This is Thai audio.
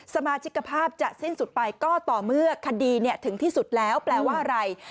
สมาชิกภาพจะสิ้นสุดไปก็ต่อเมื่อคดีถึงที่สุดแล้วแปลว่าอะไร